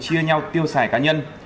chia nhau tiêu sải cá nhân